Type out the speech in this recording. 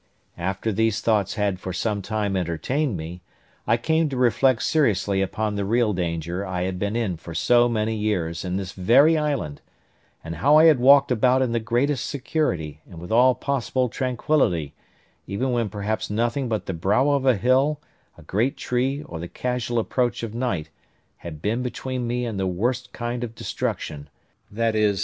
After these thoughts had for some time entertained me, I came to reflect seriously upon the real danger I had been in for so many years in this very island, and how I had walked about in the greatest security, and with all possible tranquillity, even when perhaps nothing but the brow of a hill, a great tree, or the casual approach of night, had been between me and the worst kind of destruction—viz.